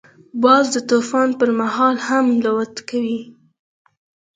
باز د طوفان پر مهال هم الوت کوي